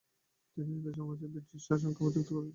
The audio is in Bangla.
তিনি হিন্দু সমাজের কারণে ব্রিটিশ শাসনকে অভিযুক্ত করেছিলেন।